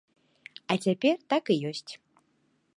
А цяпер так і ёсць.